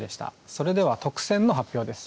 それでは特選の発表です。